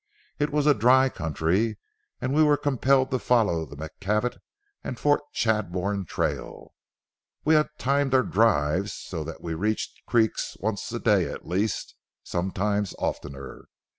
It was a dry country and we were compelled to follow the McKavett and Fort Chadbourne trail. We had timed our drives so that we reached creeks once a day at least, sometimes oftener.